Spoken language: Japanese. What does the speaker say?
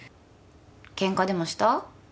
ケンカでもした？